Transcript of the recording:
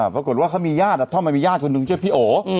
ปรากฏว่าเขามีญาติทำไมมีญาติคนหนึ่งชื่อพี่โอ